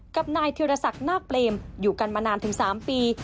กับนายธิรศักดิ์นาคเปรมอยู่กันมานานถึง๓ปี